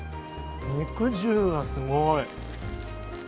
肉汁がすごい。